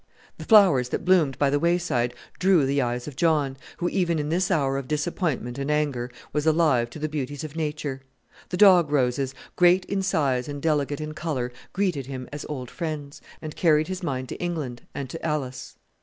The flowers that bloomed by the wayside drew the eyes of John, who, even in this hour of disappointment and anger, was alive to the beauties of nature. The dog roses, great in size and delicate in colour, greeted him as old friends, and carried his mind to England and to Alice.